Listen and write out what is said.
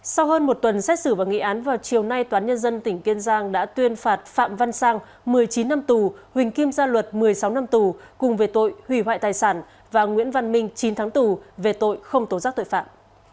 sau hơn một tuần xét xử và nghị án vào chiều nay toán nhân dân tỉnh kiên giang đã tuyên phạt phạm văn sang một mươi chín năm tù huỳnh kim gia luật một mươi sáu năm tù cùng về tội hủy hoại tài sản và nguyễn văn minh chín tháng tù về tội không tố giác tội phạm